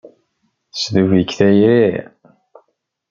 Tesdub-ik tayri.